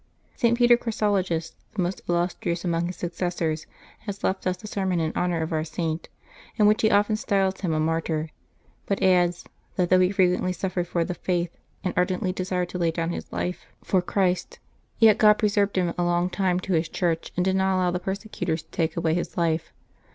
St. Peter Chrysolo gus, the most illustrious among his successors, has left us a sermon in honor of our Saint, in which he often styles him a martyr ; but adds, that though he frequently suffered for the Faith, and ardently desired to lay down his life for 260 LIVES OF THE SAINTS [Jitly 24 Christ, yet God preserved him a long time to His Church, and did not allow the persecutors to take away his life.